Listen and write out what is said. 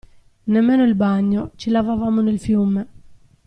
Nemmeno il bagno, ci lavavamo nel fiume.